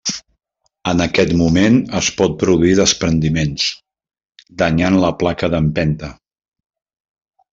En aquest moment es pot produir despreniments, danyant la placa d'empenta.